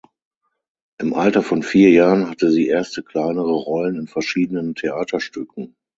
Im Alter von vier Jahren hatte sie erste kleinere Rollen in verschiedenen Theaterstücken.